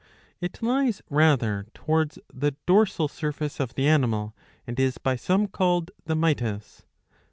It lies rather towards the dorsal surface of the animal, and is by some called the mytis.